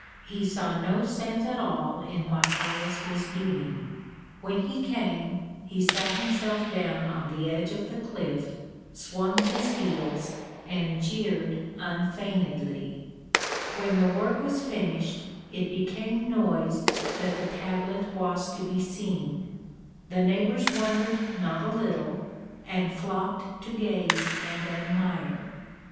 He saw no sense at all in what Caius was doing. When he came he sat himself down on the edge of the cliff, swung his heels, and jeered unfeignedly. When the work was finished it became noised that the tablet was to be seen. The neighbours wondered not a little, and flocked to gaze and admire.